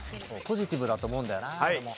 ポジティブだと思うんだよな俺も。